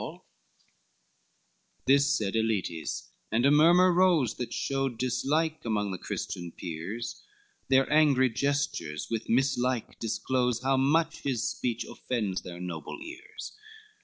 LXXX This said Aletes: and a murmur rose That showed dislike among the Christian peers, Their angry gestures with mislike disclose How much his speech offends their noble ears.